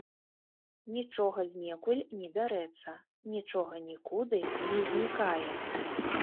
Нічога з неадкуль не бярэцца, нічога нікуды не знікае.